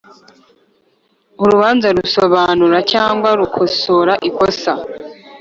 Urubanza rusobanura cyangwa rukosora ikosa